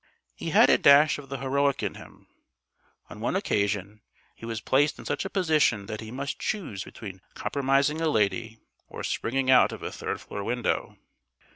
He had a dash of the heroic in him. On one occasion he was placed in such a position that he must choose between compromising a lady, or springing out of a third floor window.